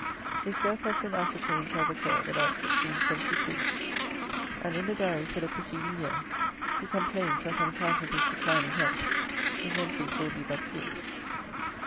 His death has been ascertained to have occurred about 1672; and in the Diary for the preceding year he complains that on account of his declining health, his entries will be but few.